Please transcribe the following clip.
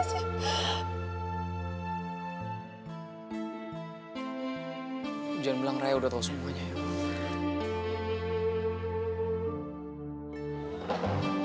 jangan bilang rai udah tau semuanya yuk